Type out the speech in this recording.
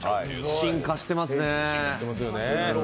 進化してますね。